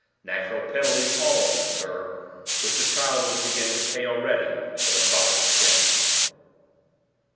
Natural penalties all of them, sir, which the child was beginning to pay already for the father's sin."